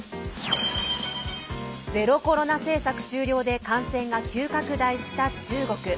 ゼロコロナ政策終了で感染が急拡大した中国。